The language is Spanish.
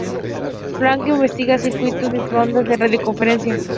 Franklin investiga circuitos microondas de radiofrecuencia.